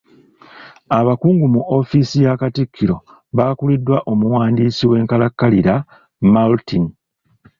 Abakungu mu ofiisi ya katikkiro baakuliddwa omuwandiisi w’enkalakkalira Maltin.